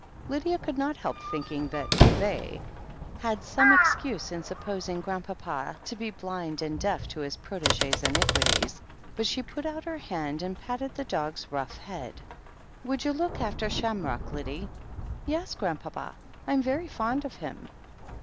Lydia could not help thinking that "they" had some excuse in supposing Grandpapa to be blind and deaf to his protege's iniquities, but she put out her hand and patted the dog's rough head. 'Would you look after Shamrock, Lyddie ?" 'Yes, Grandpapa, I am very fond of him."